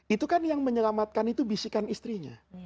itu kan yang menyelamatkan itu bisikan istrinya